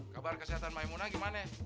kabar kesehatan maimunah gimana